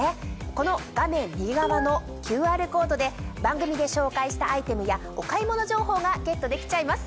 この画面右側のＱＲコードで番組で紹介したアイテムやお買い物情報がゲットできちゃいます。